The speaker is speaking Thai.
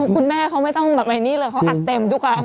คุณแม่เขาไม่ต้องแบบในนี่เลยเขาอัดเต็มทุกครั้ง